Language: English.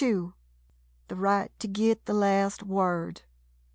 2 — the right to git the last word.